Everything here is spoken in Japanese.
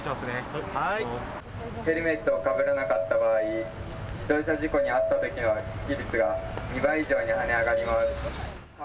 ヘルメットをかぶらなかった場合、自転車事故に遭ったときの致死率は２倍以上に跳ね上がります。